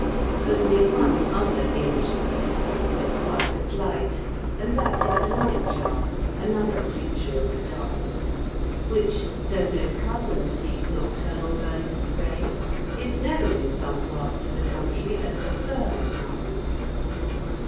Only one other English bird has so quiet a flight, and that is the nightjar, another creature of the darkness, which, though no cousin to these nocturnal birds of prey, is known in some parts of the country as the "fern owl."